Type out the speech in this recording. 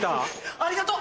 ありがとう！